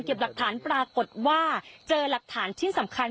หลักฐานปรากฏว่าเจอหลักฐานชิ้นสำคัญ